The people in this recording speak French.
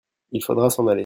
il faudra s'en aller.